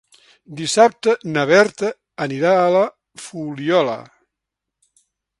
Dissabte na Berta anirà a la Fuliola.